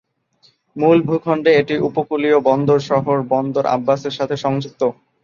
মূল ভূখণ্ডে এটি উপকূলীয় বন্দর শহর বন্দর আব্বাসের সাথে সংযুক্ত।